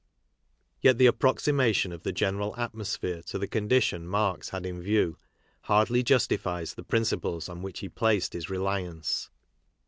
Yet the approximation of the general atmosphere to the condition Marx had in view hardly justifies the prin ciples upon which he placed his reliance.